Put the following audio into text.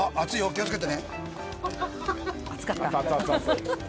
気を付けてね。